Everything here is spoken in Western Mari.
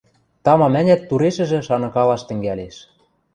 тамам-ӓнят турешӹжӹ шаныкалаш тӹнгӓлеш.